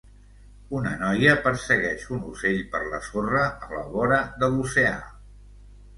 Una noia persegueix un ocell per la sorra a la vora de l'oceà.